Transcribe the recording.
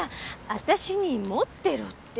私に持ってろって。